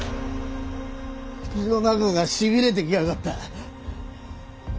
口の中がしびれてきやがった。